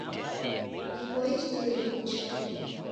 Ghiboisiru ni cho